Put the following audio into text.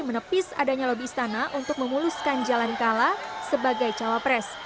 menepis adanya lobisana untuk memuluskan jalan kalla sebagai cawapres